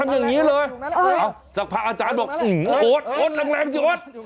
ขาวศักพะอาจารย์บอกโอ๊ดแรงสิโอ๊ด